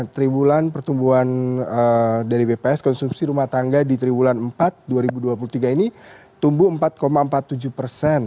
tiga bulan pertumbuhan dari bps konsumsi rumah tangga di triwulan empat dua ribu dua puluh tiga ini tumbuh empat empat puluh tujuh persen